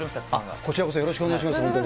こちらこそよろしくお願いします、本当に。